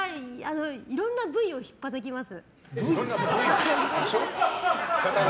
いろんな部位をひっぱたきます。